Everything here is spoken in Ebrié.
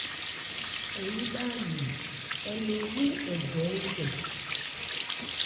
Hɛ yí bhá nne ɛ̀ le wú hɛ̀ jɔ ékɛ.